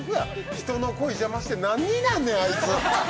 人の恋を邪魔して、何になんねん、あいつ。